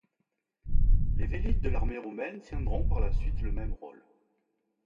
Les vélites de l'armée romaine tiendront, par la suite, le même rôle.